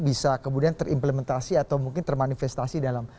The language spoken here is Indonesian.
bisa kemudian terimplementasi atau mungkin termanifestasi dalam